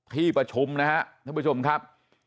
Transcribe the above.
ที่ประชุมนะพี่เป็นชุมครับ